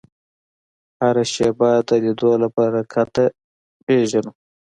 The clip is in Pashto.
هره شېبه د لیدلو له برکته پېژنو